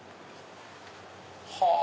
はぁ。